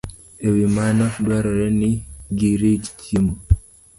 E wi mano, dwarore ni girit chiemo